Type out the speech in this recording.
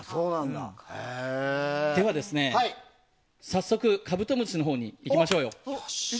では、早速「カブトムシ」のほうにいきましょう。